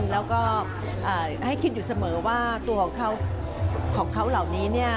แล้วก็ให้คิดอยู่เสมอว่าตัวของเขาเหล่านี้